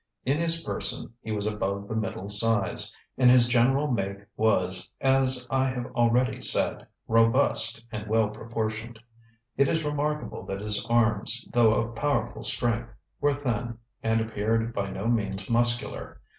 In his person, he was above the middle size, and his general make was, as I have already said, robust and well proportioned. It is remarkable that his arms, though of powerful strength, were thin, and appeared by no means muscular.